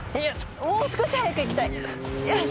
もう少し速く行きたいよし。